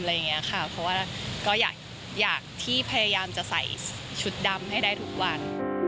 เพราะว่าก็อยากที่พยายามจะใส่ชุดดำให้ได้ทุกวัน